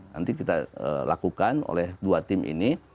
nanti kita lakukan oleh dua tim ini